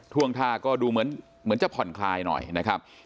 ่วงท่าก็ดูเหมือนจะผ่อนคลายหน่อยนะครับ